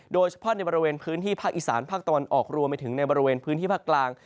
โดยเฉพาะในบริเวณพื้นที่ภาคอีสานภาคตะวันออกรวมไปถึงในบริเวณพื้นที่ภาคกลาง